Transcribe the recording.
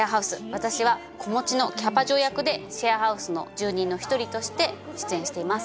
私は子持ちのキャバ嬢役でシェアハウスの住人の１人として出演しています。